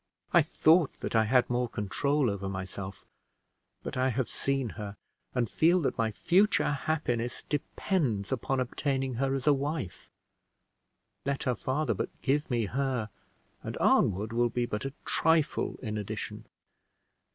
I thought that I had more control over myself; but I have seen her, and feel that my future happiness depends upon obtaining her as a wife. Let her father but give me her, and Arnwood will be but a trifle in addition!"